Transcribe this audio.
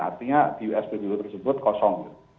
artinya di uspbu tersebut kosong